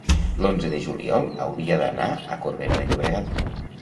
l'onze de juliol hauria d'anar a Corbera de Llobregat.